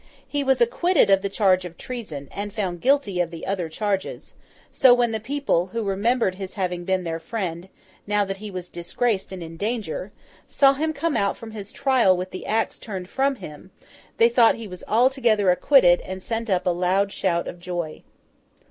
He was acquitted of the charge of treason, and found guilty of the other charges; so when the people—who remembered his having been their friend, now that he was disgraced and in danger, saw him come out from his trial with the axe turned from him—they thought he was altogether acquitted, and sent up a loud shout of joy.